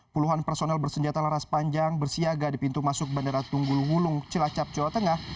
puluhan personel bersenjata laras panjang bersiaga di pintu masuk bandara tunggul wulung cilacap jawa tengah